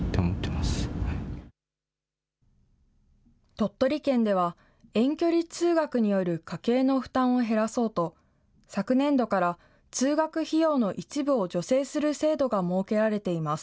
鳥取県では、遠距離通学による家計の負担を減らそうと、昨年度から通学費用の一部を助成する制度が設けられています。